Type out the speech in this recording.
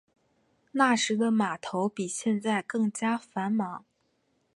那时的码头比现在更加繁忙。